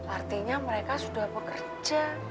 artinya mereka sudah pekerja